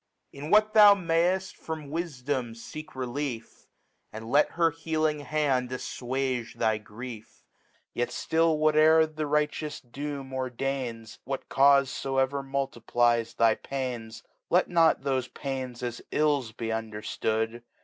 Bi what thou m^'ft from Wifdom i^^ Relief, ^And let her healine Hand aifwage the Grief; Yet ftill whate'er the righteous Doom ordains, 'Whatv Caufe foevcr multiplies thy Pains, Let not thofe Pains as Ills be underftood